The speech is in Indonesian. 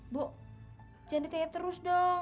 bu jangan ditanya terus dong